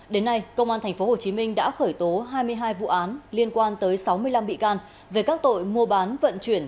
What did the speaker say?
đến nay công an tp hcm đã khởi tố hai mươi hai vụ án liên quan tới sáu mươi năm bị can về các tội mua bán vận chuyển